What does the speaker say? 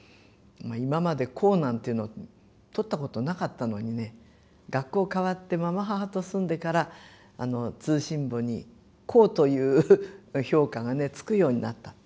今まで甲なんていうの取ったことなかったのにね学校変わってまま母と住んでから通信簿に甲という評価がねつくようになった。